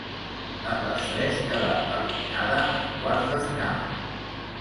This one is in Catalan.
En les tres quedà eliminada en quarts de final.